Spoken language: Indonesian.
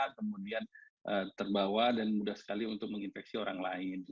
kemudian terbawa dan mudah sekali untuk menginfeksi orang lain